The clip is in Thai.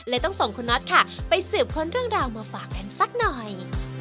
ต้องส่งคุณน็อตค่ะไปสืบค้นเรื่องราวมาฝากกันสักหน่อย